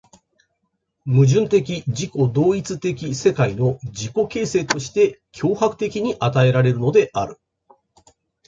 矛盾的自己同一的世界の自己形成として強迫的に与えられるのである。